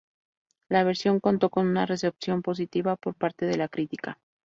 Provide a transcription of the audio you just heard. La versión contó con una recepción positiva por parte de la crítica.